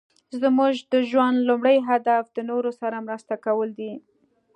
زموږ د ژوند لومړی هدف د نورو سره مرسته کول دي.